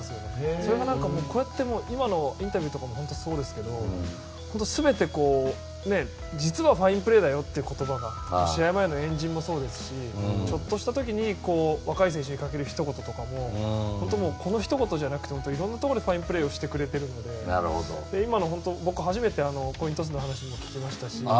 それが、今のインタビューでも本当にそうですけど全て実はファインプレーだよっていう言葉が試合前の円陣もそうですしちょっとした時に若い選手にかけるひと言とかもこのひと言だけじゃなくていろんなところでファインプレーをしてくれてるので僕、初めてコイントスの話も聞きましたし。